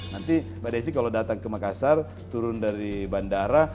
nanti mbak desi kalau datang ke makassar turun dari bandara